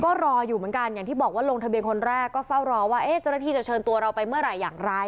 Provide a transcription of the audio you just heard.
ก็รออยู่เหมือนกันอย่างที่บอกว่าลงทะเบียนคนแรกก็เฝ้ารอว่าเจ้าหน้าที่จะเชิญตัวเราไปเมื่อไหร่อย่างไร